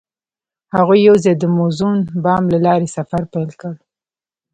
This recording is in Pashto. هغوی یوځای د موزون بام له لارې سفر پیل کړ.